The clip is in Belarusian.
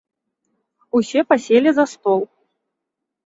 Усе паселі за стол.